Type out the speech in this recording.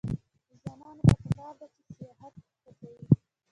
ځوانانو ته پکار ده چې، سیاحت هڅوي.